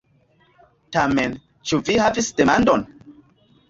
Tamen, ĉu vi havis demandon?